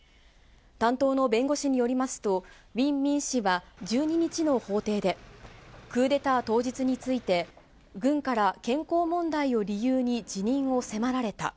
担当の弁護士によりますと、ウィン・ミン氏は、１２日の法廷で、クーデター当日について、軍から健康問題を理由に辞任を迫られた。